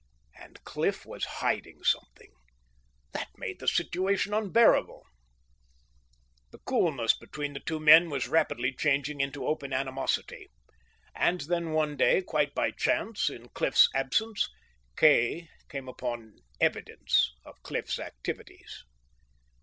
And Cliff was hiding something! That made the situation unbearable. The coolness between the two men was rapidly changing into open animosity. And then one day, quite by chance, in Cliff's absence, Kay came upon evidence of Cliff's activities.